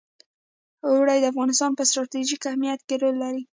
اوړي د افغانستان په ستراتیژیک اهمیت کې رول لري.